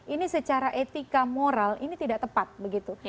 ini secara etika moral ini tidak tepat begitu